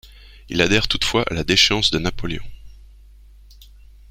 Il adhère toutefois à la déchéance de Napoléon.